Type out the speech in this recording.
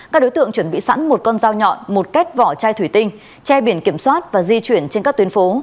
các đối tượng chuẩn bị sẵn một con dao nhọn một kết vỏ chai thủy tinh che biển kiểm soát và di chuyển trên các tuyến phố